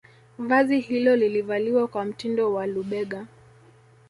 Vazi hilo lilivaliwa kwa mtindo wa lubega